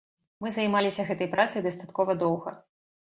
Мы займаліся гэтай працай дастаткова доўга.